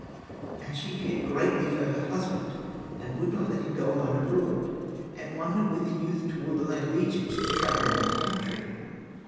And she feared greatly for her husband, and would not let him go alone abroad. And one went with the youth toward the land of Egypt, to travel in that country.